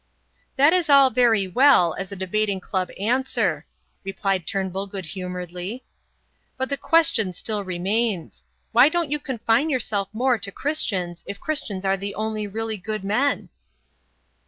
"That is all very well as a debating club answer," replied Turnbull good humouredly, "but the question still remains: Why don't you confine yourself more to Christians if Christians are the only really good men?"